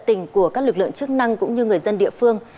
tình của các lực lượng chức năng cũng như người dân địa phương